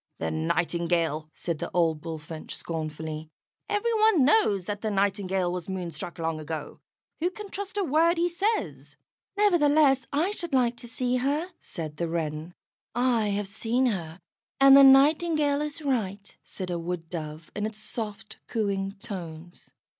"The Nightingale!" said the old Bullfinch, scornfully. "Every one knows that the Nightingale was moonstruck long ago. Who can trust a word he says?" "Nevertheless, I should like to see her," said the Wren. "I have seen her, and the Nightingale is right," said a Wood dove in its soft, cooing tones.